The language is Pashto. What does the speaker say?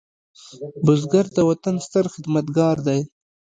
بزګر د وطن ستر خدمتګار دی